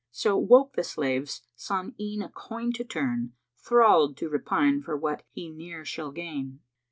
So woke the slave sans e'en a coin to turn, * Thralled to repine for what he ne'er shall gain!"